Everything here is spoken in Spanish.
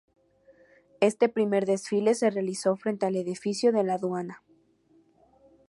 Este primer desfile se realizó frente al edificio de la Aduana.